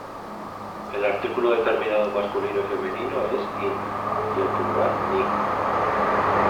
El artículo determinado masculino y femenino es yn y el plural ny.